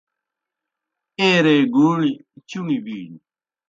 ایرے گُوݨیْ چُݨیْ بِینیْ۔